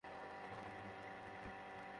আমরা এসব কী করছি?